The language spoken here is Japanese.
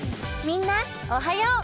［みんなおはよう］